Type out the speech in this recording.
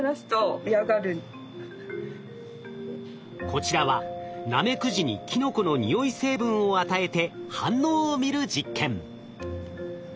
こちらはナメクジにキノコの匂い成分を与えて反応を見る実験。